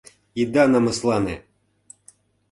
Ида намыслане!..